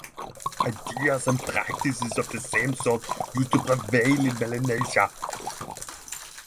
Ideas and practices of the same sort used to prevail in Melanesia.